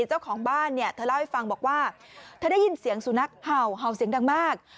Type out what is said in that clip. เจ้าของบ้านเนี่ยเธอเล่าให้ฟังบอกว่าเธอได้ยินเสียงสุนัขเห่าเห่าเสียงดังมาก